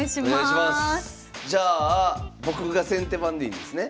じゃあ僕が先手番でいいんですね？